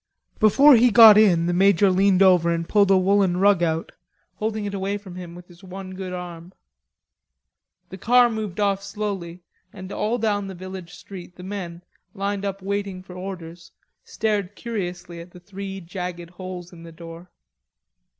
Before he got in the major leaned over and pulled a woollen rug out, holding it away from him with his one good arm. The car moved off slowly, and all down the village street the men, lined up waiting for orders, stared curiously at the three jagged holes in the door.